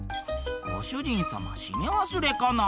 「ご主人様閉め忘れかな？」